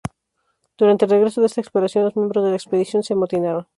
Durante el regreso de esta exploración los miembros de la expedición se amotinaron.